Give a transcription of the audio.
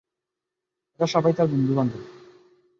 এরা সবাই তার বন্ধুবান্ধব।